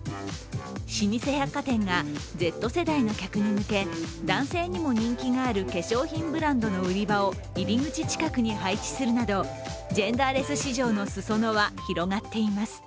老舗百貨店がＺ世代の客に向け男性にも人気がある化粧品ブランドの売り場を入り口近くに配置するなどジェンダーレス市場の裾野は広がっています。